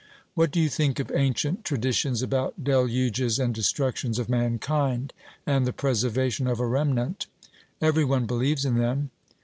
What do you think of ancient traditions about deluges and destructions of mankind, and the preservation of a remnant? 'Every one believes in them.'